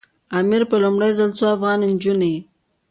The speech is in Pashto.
امیر په لومړي ځل څو افغاني نجونې.